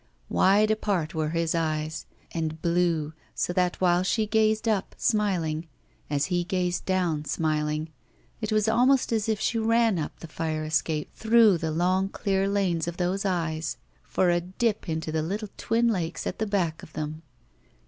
Wide apart were his eyes, and blue, so that while she gazed up, smiling, as he gazed down, smiling, it was almost as if she ran up the fire escape through the long clear lanes of those eyes, for a dip into the little twin lakes at the back of them.